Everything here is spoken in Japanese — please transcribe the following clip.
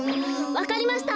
わかりました！